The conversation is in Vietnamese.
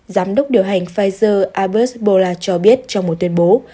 giám đốc điều hành pfizer azure ebola cho biết trong một tuyên bố